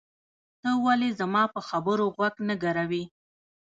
ته ولې زما په خبرو غوږ نه ګروې؟